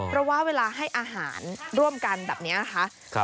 เพราะว่าเวลาให้อาหารร่วมกันแบบนี้นะคะ